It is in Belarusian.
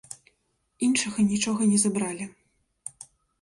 Іншага нічога не забралі.